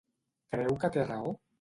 Creu que té raó?